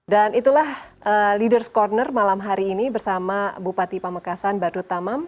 dan itulah leaders corner malam hari ini bersama bupati pamekasan baru tamam